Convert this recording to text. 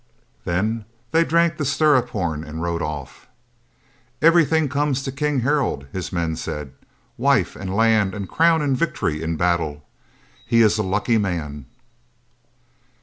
Then they drank the stirrup horn and rode off. "Everything comes to King Harald," his men said; "wife and land and crown and victory in battle. He is a lucky man."